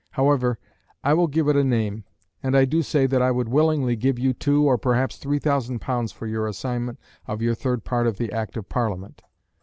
However, I will give it a name, and I do say that I would willingly give you two, or perhaps three thousand pounds for your assignment of your third part of the Act of Parliament.